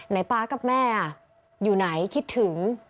ป๊ากับแม่อยู่ไหนคิดถึง